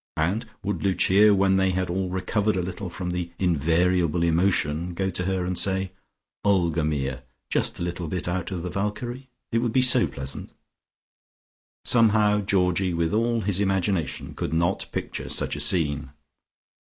And would Lucia when they had all recovered a little from the invariable emotion go to her and say, "Olga mia, just a little bit out of the Valkyrie? It would be so pleasant." Somehow Georgie, with all his imagination, could not picture such a scene.